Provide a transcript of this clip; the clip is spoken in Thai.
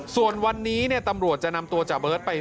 ส่วนวันนี้ตำรวจจะนำตัวจ่าเบิร์ตไป